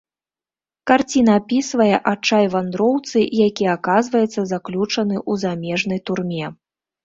Карціна апісвае адчай вандроўцы, які аказваецца заключаны у замежнай турме.